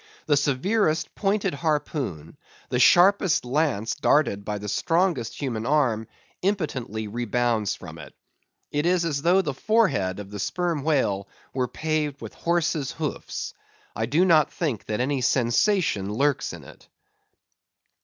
The severest pointed harpoon, the sharpest lance darted by the strongest human arm, impotently rebounds from it. It is as though the forehead of the Sperm Whale were paved with horses' hoofs. I do not think that any sensation lurks in it.